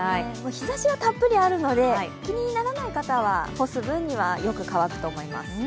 日ざしはたっぷりあるので、気にならない方は干す分にはよく乾くと思います。